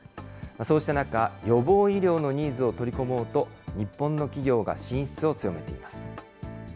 そうした中、予防医療のニーズを取り込もうと、日本の企業が進出を強めています。